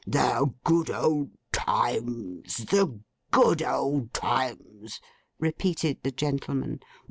'The good old times, the good old times,' repeated the gentleman.